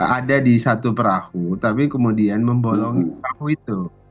ada di satu perahu tapi kemudian membolongi perahu itu